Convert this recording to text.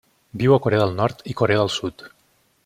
Viu a Corea del Nord i Corea del Sud.